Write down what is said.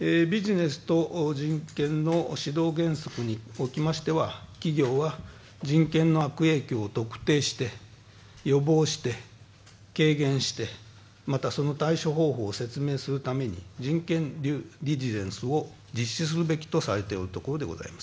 ビジネスと人権の指導原則におきましては企業は人権の悪影響を特定して予防して、軽減して、またその対処方法を説明するために人権デューデリジェンスを実施するべきとされているところでございます